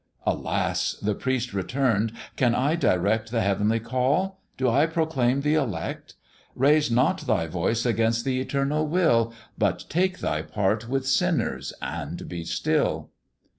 'Alas!' the priest return'd, 'can I direct The heavenly call? Do I proclaim th' elect? Raise not thy voice against th' Eternal will, But take thy part with sinners, and be still.'